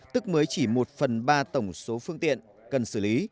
tức mới chỉ một phần ba tổng số phương tiện cần xử lý